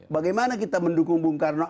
bagaimana kita mendukung bung karno